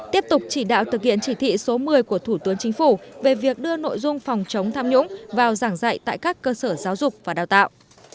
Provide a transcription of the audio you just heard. tiếp tục chỉ đạo thực hiện chỉ thị số một mươi của thủ tướng chính phủ về việc đưa nội dung phòng chống tham nhũng vào giảng dạy tại các cơ sở giáo dục và đào tạo